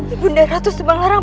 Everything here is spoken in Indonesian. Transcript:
ibu nda ratu subang larang